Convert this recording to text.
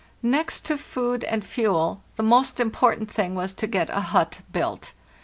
Next to food and fuel the most important thing was to get a hut built.